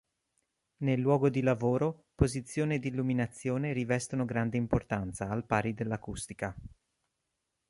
Nel luogo di lavoro posizione ed illuminazione rivestono grande importanza al pari dellʼacustica.